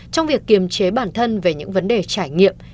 trong việc kiềm chế bản thân về những vấn đề trải nghiệm